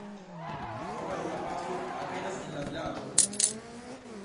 Nova juna pastro alvenas en la vilaĝon.